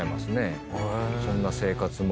そんな生活も。